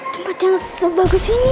tempat yang sebagus ini